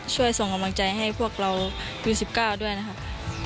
ส่งกำลังใจให้พวกเราคือ๑๙ด้วยนะครับ